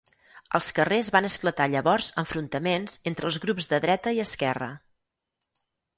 Als carrers van esclatar llavors enfrontaments entre els grups de dreta i esquerra.